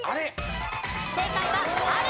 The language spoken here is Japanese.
正解はある。